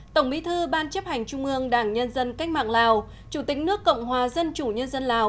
tổng bí thư ban chấp hành trung ương đảng nhân dân cách mạng lào chủ tịch nước cộng hòa dân chủ nhân dân lào